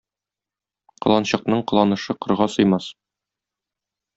Кыланчыкның кыланышы кырга сыймас.